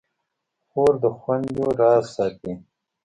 خور د خویندو راز ساتي.